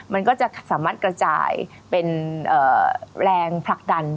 มันก็จะสามารถกระจายเป็นแรงผลักดัน